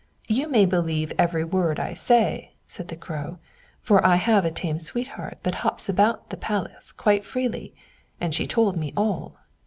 You may believe every word I say," said the Crow, "for I have a tame sweetheart that hops about in the palace quite freely, and she told me all.